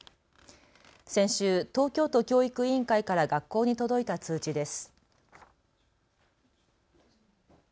先週、東京都教育委員会から学校に届いた通知です。